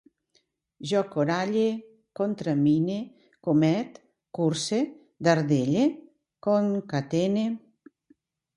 Jo coralle, contramine, comet, curse, dardelle, concatene